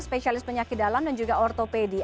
spesialis penyakit dalam dan juga ortopedi